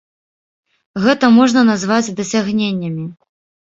Гэта можна назваць дасягненнямі.